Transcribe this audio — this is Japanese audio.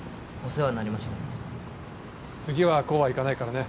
・次はこうはいかないからね。